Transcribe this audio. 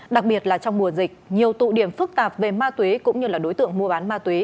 đặc biệt là trong mùa dịch nhiều tụ điểm phức tạp về ma túy cũng như là đối tượng mua bán ma túy